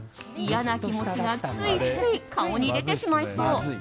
嫌な気持ちがついつい顔に出てしまいそう。